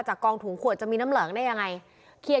กองถุงขวดจะมีน้ำเหลืองได้ยังไง